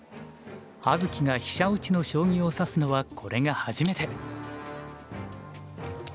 葉月が飛車落ちの将棋を指すのはこれが初めて。